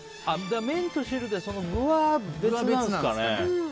麺と汁で具は別なんですかね。